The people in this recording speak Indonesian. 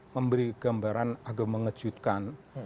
memberi gambaran agamanya mengejutkan